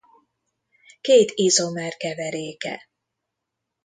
Két izomer keveréke.